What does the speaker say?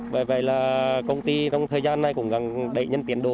bởi vậy là công ty trong thời gian này cũng đẩy nhanh tiến độ